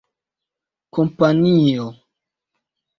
kompanio